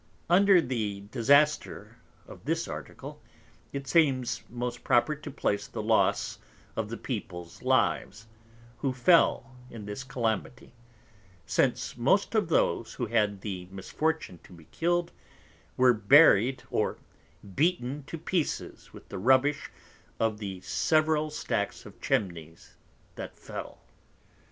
Under the Disaster of this Article, it seems most proper to place the Loss of the Peoples Lives, who fell in this Calamity; since most of those, who had the Misfortune to be killed, were buried, or beaten to Pieces with the Rubbish of the several Stacks of Chimneys that fell.